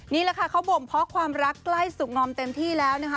นี่แหละค่ะเขาบ่มเพาะความรักใกล้สุขงอมเต็มที่แล้วนะคะ